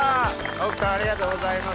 奥さんありがとうございます。